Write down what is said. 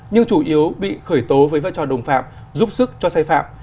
nhưng chủ yếu bị khởi tố với vai trò đồng phạm giúp sức cho sai phạm